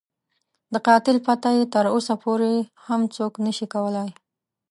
د قاتل پته یې تر اوسه پورې هم څوک نه شي کولای.